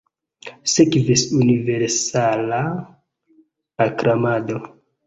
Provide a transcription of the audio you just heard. Sekvis universala aklamado.